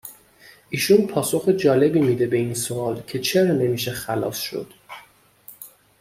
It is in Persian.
ایشون پاسخ جالبی میده به این سوال که چرا نمیشه خَلاص شد